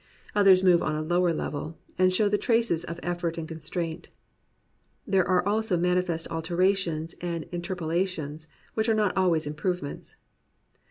Others move on a lower level, and show the traces of effort and constraint. There are also manifest alterations and interpolations, which are not always improvements.